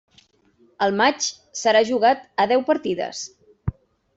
El matx serà jugat a deu partides.